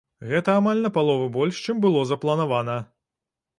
Гэта амаль на палову больш, чым было запланавана.